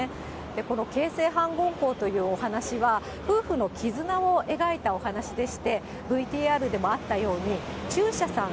この傾城反魂香というお話は、夫婦の絆を描いたお話でして、ＶＴＲでもあったように、中車さん